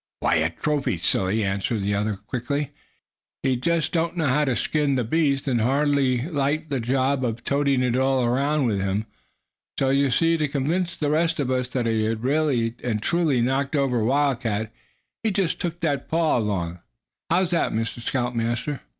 "Why, for a trophy, silly," answered the' other, quickly. "He just didn't know how to skin the beast, and hardly liked the job of toting it all around with him. So you see, to convince the rest of us that he'd really and truly knocked over a wildcat, he just took that paw along. How's that, Mr. Scoutmaster?"